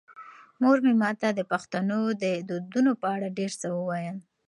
مور مې ماته د پښتنو د دودونو په اړه ډېر څه وویل.